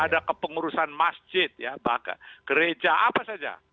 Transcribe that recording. ada kepengurusan masjid ya bahkan gereja apa saja